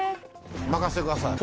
任せてください。